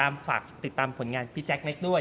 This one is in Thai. ฝากติดตามผลงานพี่แจ๊คเล็กด้วย